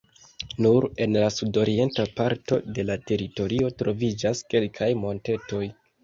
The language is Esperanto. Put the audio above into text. Nur en la sudorienta parto de la teritorio troviĝas kelkaj montetoj.